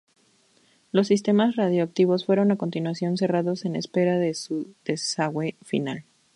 Los sistemas radioactivos fueron a continuación cerrados en espera de su desguace final.